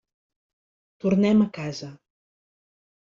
Tornem a casa.